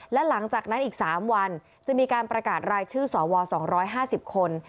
และหลังจากนั้นอีก๓วันจะมีการประกาศรายชื่อสว๒๕๐คน